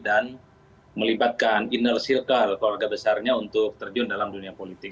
dan melibatkan inner circle keluarga besarnya untuk terjun dalam dunia politik